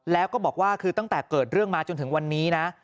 แล้วก็บอกว่าคือตั้งแต่เกิดเรื่องมาจนถึงวันนี้นะ